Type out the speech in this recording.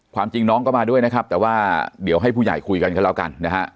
จริงน้องก็มาด้วยนะครับแต่ว่าเดี๋ยวให้ผู้ใหญ่คุยกันกันแล้วกันนะฮะ